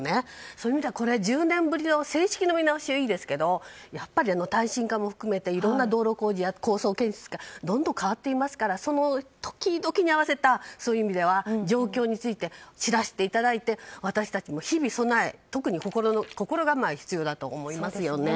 そういう意味では、１０年ぶりの正式な見直しはいいですけどやっぱり、耐震化も含めていろんな道路工事や高層建設がどんどん変わっていますからその時々に合わせたそういう意味では、状況について知らせていただいて私たちも日々備え特に心構えが必要だと思いますよね。